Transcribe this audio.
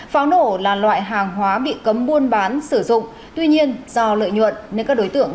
pháo nổ là loại hàng hóa bị cấm buôn bán sử dụng tuy nhiên do lợi nhuận nên các đối tượng